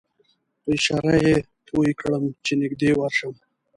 په اشاره یې پوی کړم چې نږدې ورشم.